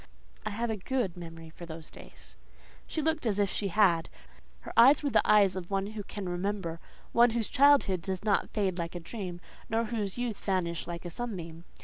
"I have a good memory for those days." She looked as if she had. Her eyes were the eyes of one who can remember; one whose childhood does not fade like a dream, nor whose youth vanish like a sunbeam.